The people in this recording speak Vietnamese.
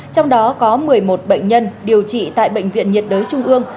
trong đó có một mươi một bệnh nhân điều trị tại bệnh viện nhiệt đới trung ương